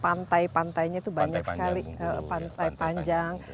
pantai pantainya itu banyak sekali pantai panjang